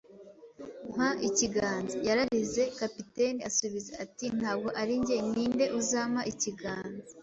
“Mpa ikiganza!” yararize. Kapiteni asubiza ati: “Ntabwo ari njye.” “Ni nde uzampa ikiganza